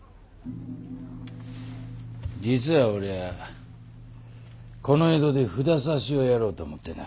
実は俺はこの江戸で札差をやろうと思ってな。